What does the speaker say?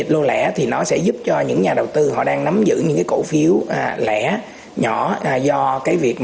thu hút được rất nhiều nhà đầu tư mới cũng như đặc biệt là các nhà giao dịch